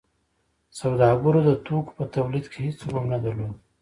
سوداګرو د توکو په تولید کې هیڅ رول نه درلود.